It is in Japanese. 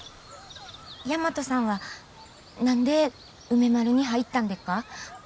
大和さんは何で梅丸に入ったんでっか？